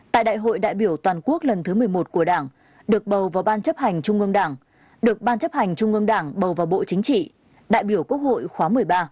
tại đại hội đại biểu toàn quốc lần thứ một mươi một của đảng được bầu vào ban chấp hành trung ương đảng được ban chấp hành trung ương đảng bầu vào bộ chính trị đại biểu quốc hội khóa một mươi ba